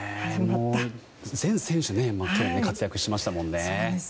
もう、全選手活躍しましたもんね。